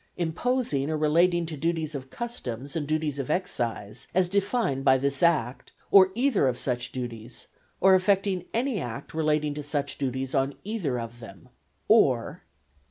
Imposing or relating to duties of customs and duties of excise, as defined by this Act, or either of such duties, or affecting any Act relating to such duties or either of them; or "(7.)